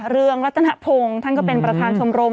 เรืองรัตนพงศ์ท่านก็เป็นประธานชมรม